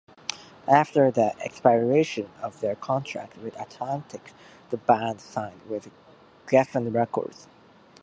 After the expiration of their contract with Atlantic, the band signed with Geffen Records.